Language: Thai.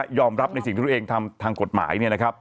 กับว่ายอมรับในสิ่งที่ทุกคนเองทำทางกฎหมาย